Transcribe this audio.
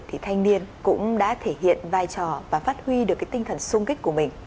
thì thanh niên cũng đã thể hiện vai trò và phát huy được cái tinh thần sung kích của mình